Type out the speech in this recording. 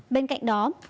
bên cạnh đó cần sửa đổi